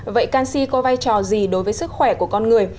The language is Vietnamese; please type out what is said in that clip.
vậy canxi có vai trò gì đối với sức khỏe của con người